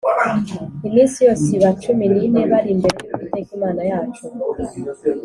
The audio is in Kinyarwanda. Iminsi yose iba cumi n’ine bari imbere y’Uwiteka Imana yacu